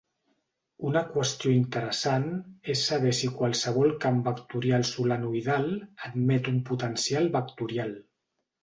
Una qüestió interessant és saber si qualsevol camp vectorial solenoidal admet un potencial vectorial.